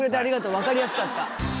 わかりやすかった。